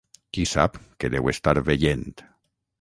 Qui sap que deu estar veient!